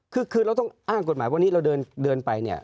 คือเราต้องอ้างกฎหมายวันนี้เราเดินไปเนี่ย